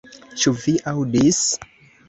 Ĉu vi aŭdis?